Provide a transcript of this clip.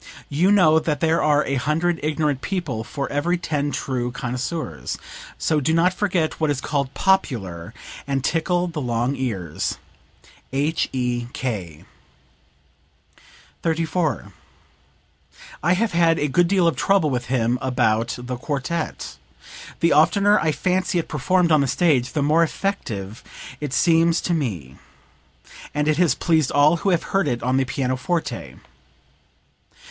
You know that there are a hundred ignorant people for every ten true connoisseurs; so do not forget what is called popular and tickle the long ears." H.E.K.]) 34. "I have had a good deal of trouble with him about the quartet. The oftener I fancy it performed on the stage the more effective it seems to me; and it has pleased all who have heard it on the pianoforte.